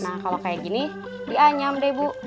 nah kalau kayak gini diaduk